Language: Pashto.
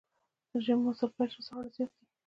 د ژمي موسم پيل شو ساړه زيات دی